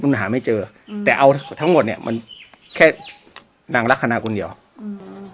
มันหาไม่เจออืมแต่เอาทั้งหมดเนี้ยมันแค่นางลักษณะคนเดียวอืม